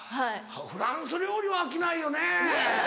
フランス料理は飽きないよね。